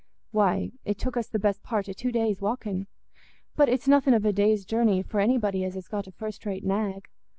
"Why, it took us the best part o' two days' walking. But it's nothing of a day's journey for anybody as has got a first rate nag.